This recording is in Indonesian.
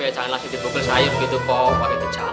ya jangan lagi dibukul sayur gitu pok